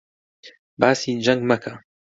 باسی جەنگ مەکە!